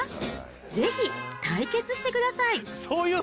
ぜひ対決してください。